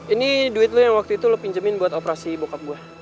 ini duit lo yang waktu itu lo pinjemin buat operasi bokap gue